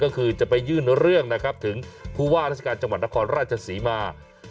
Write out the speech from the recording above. ก็คือจะไปยื่นเรื่องนะครับถึงผู้ว่าราชการจังหวัดนครราชศรีมา